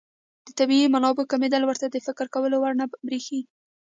د طبیعي منابعو کمېدل ورته د فکر کولو وړ نه بريښي.